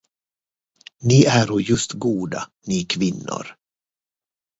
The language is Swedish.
Ni äro just goda, ni qvinnor.